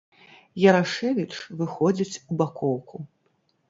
Ярашэвіч выходзіць у бакоўку.